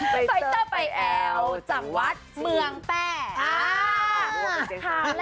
ไปเตอร์ไปแอลจากวัดเมืองแปะ